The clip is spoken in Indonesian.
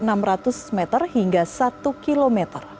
dari enam ratus meter hingga satu km